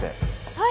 はい！